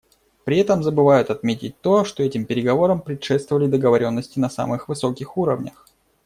При этом забывают отметить то, что этим переговорам предшествовали договоренности на самых высоких уровнях.